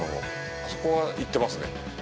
あそこは行ってますね。